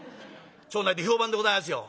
町内で評判でございますよ。